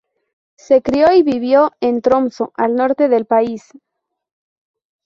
Se crio y vivió en Tromsø, al norte del país.